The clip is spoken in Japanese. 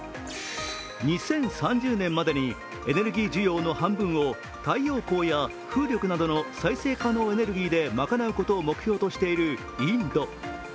２０３０年までにエネルギー需要の半分を太陽光や風力などの再生可能エネルギーで賄うことを目標としているインド。